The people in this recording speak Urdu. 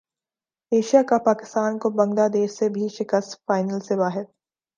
ایشیا کپ پاکستان کو بنگلہ دیش سے بھی شکست فائنل سے باہر